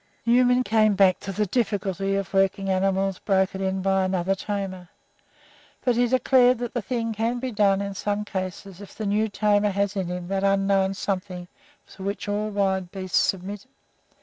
Newman came back to the difficulty of working animals broken in by another tamer, but he declared that the thing can be done in some cases if the new tamer has in him that unknown something to which all wild beasts submit.